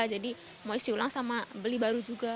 jadi mau isi ulang sama beli baru juga